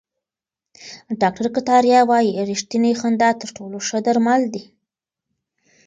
ډاکټر کتاریا وايي ریښتینې خندا تر ټولو ښه درمل دي.